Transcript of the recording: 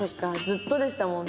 ずっとでしたもんね。